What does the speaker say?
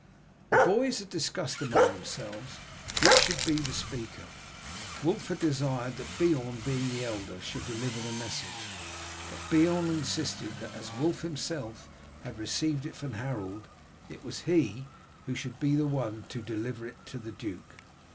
The boys had discussed among themselves which should be the speaker. Wulf had desired that Beorn, being the elder, should deliver the message, but Beorn insisted that as Wulf himself had received it from Harold, it was he who should be the one to deliver it to the duke.